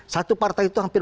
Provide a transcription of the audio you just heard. satu partai itu hampir